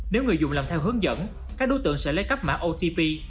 nếu người dùng làm theo hướng dẫn các đối tượng sẽ lấy cấp mã otp